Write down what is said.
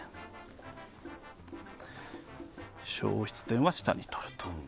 消失点は下にとる。